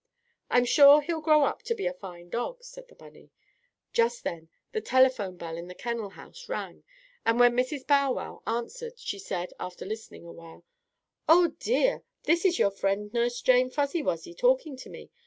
"I'm sure he'll grow up to be a fine dog," said the bunny. Just then the telephone bell in the kennel house rang, and when Mrs. Bow Wow answered she said, after listening awhile: "Oh, dear! This is your friend Nurse Jane Fuzzy Wuzzy talking to me.